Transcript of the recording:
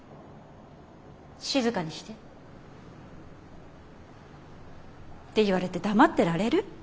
静かにして。って言われて黙ってられる？